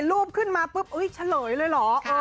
รูปขึ้นมาปุ๊บเฉลยเลยเหรอ